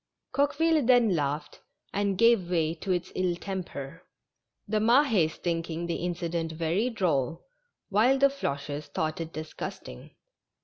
Coqueville then laughed and gave way to its ill temper — the Mahes thinking the incident very droll, while the Floches thought it disgust ing.